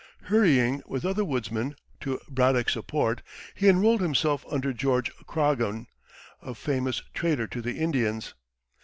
Hurrying, with other woodsmen, to Braddock's support, he enrolled himself under George Croghan, a famous trader to the Indians.